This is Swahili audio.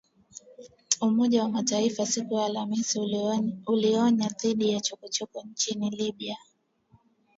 Umoja wa Mataifa siku ya Alhamisi ulionya dhidi ya chokochoko nchini Libya